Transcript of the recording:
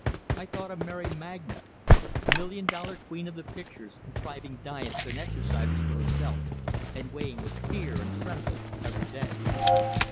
I though of Mary Magna, million dollar queen of the pictures, contriving diets and exercises for herself, and weighing with fear and trembling every day!